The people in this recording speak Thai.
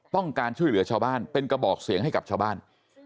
ต้องการช่วยเหลือชาวบ้านเป็นกระบอกเสียงให้กับชาวบ้าน